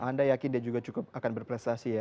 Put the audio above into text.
anda yakin dia juga cukup akan berprestasi ya